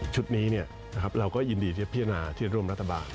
นี้เราก็ยินดีจะพิจารณาที่จะร่วมรัฐบาล